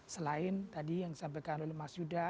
selain tadi yang disampaikan oleh mas yuda